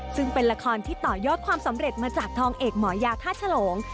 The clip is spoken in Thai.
ซึ่งเป็นละครที่ต่อยอดความสำเร็จมาจากทองเอกหมอยาท่าฉลง